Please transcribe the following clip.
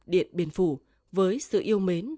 điện biên phủ với sự yêu mến